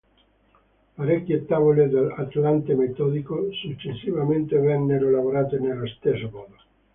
Parecchie tavole dell’"Atlante Metodico" successivamente vennero elaborate nello stesso modo.